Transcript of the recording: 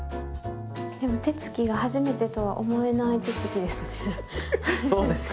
手つきが初めてとは思えない手つきですね。